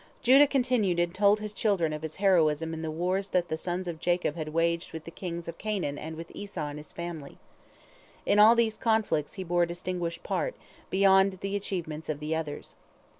Judah continued and told his children of his heroism in the wars that the sons of Jacob had waged with the kings of Canaan and with Esau and his family. In all these conflicts he bore a distinguished part, beyond the achievements of the others.